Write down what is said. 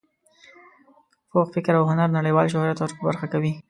پوخ فکر او هنر نړیوال شهرت ور په برخه کوي.